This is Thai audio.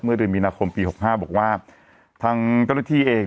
เมื่อเดือนมีนาคมปีหกห้าบอกว่าทางกรณีที่เอง